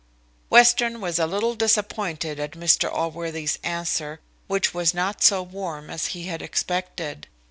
Western was a little disappointed at Mr Allworthy's answer, which was not so warm as he expected.